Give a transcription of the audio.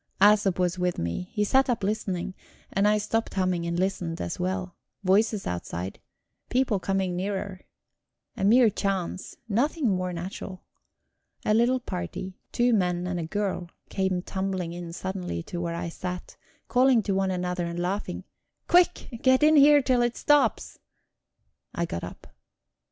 Æsop was with me; he sat up listening, and I stopped humming and listened as well. Voices outside; people coming nearer. A mere chance nothing more natural. A little party, two men and a girl, came tumbling in suddenly to where I sat, calling to one another and laughing: "Quick! Get in here till it stops!" I got up.